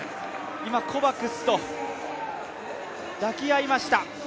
今、コバクスと抱き合いました。